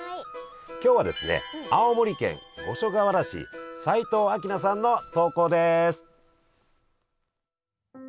今日はですね青森県五所川原市斉藤明奈さんの投稿です。